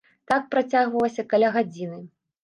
Так працягвалася каля гадзіны.